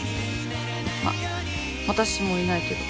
まっ私もいないけど